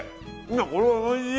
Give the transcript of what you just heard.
これ、おいしい！